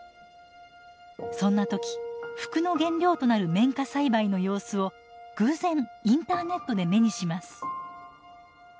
そんな時服の原料となる綿花栽培の様子を偶然インターネットで目にします。